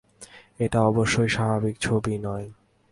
এটা অবশ্যই স্বাভাবিক ছবি নয়।